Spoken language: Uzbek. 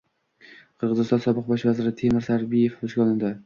Qirg‘iziston sobiq bosh vaziri Temir Sariyev hibsga olindi